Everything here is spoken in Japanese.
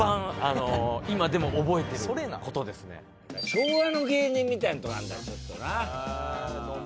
昭和の芸人みたいなところがあるんだよちょっとな。